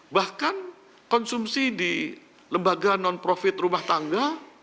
bahkan konsumsi di lembaga non profit rumah tangga